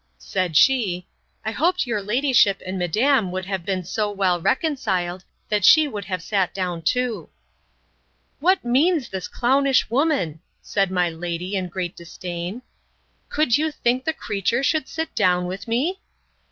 said she, I hoped your ladyship and madam would have been so well reconciled, that she would have sat down too.—What means the clownish woman? said my lady, in great disdain: Could you think the creature should sit down with me?